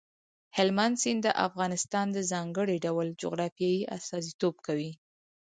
هلمند سیند د افغانستان د ځانګړي ډول جغرافیې استازیتوب کوي.